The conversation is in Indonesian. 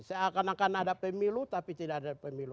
seakan akan ada pemilu tapi tidak ada pemilu